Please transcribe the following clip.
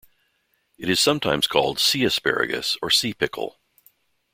It is sometimes called sea asparagus or sea pickle.